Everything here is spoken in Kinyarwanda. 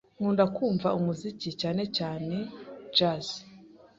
Nkunda kumva umuziki, cyane cyane jazz.